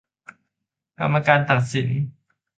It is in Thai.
กรรมการตัดสิน